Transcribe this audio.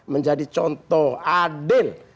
menjadi contoh adil